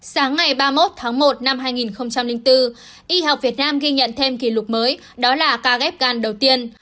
sáng ngày ba mươi một tháng một năm hai nghìn bốn y học việt nam ghi nhận thêm kỷ lục mới đó là ca ghép gan đầu tiên